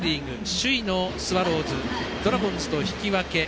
首位のスワローズドラゴンズと引き分け。